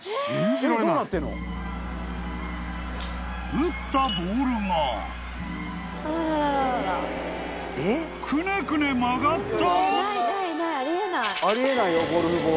［打ったボールがくねくね曲がった？］